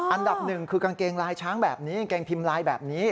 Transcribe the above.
อันดับหนึ่งคือกางเกงลายช้างแบบนี้กางเกงพิมพ์ลายแบบนี้